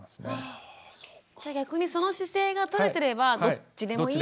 逆にその姿勢がとれてればどっちでもいい？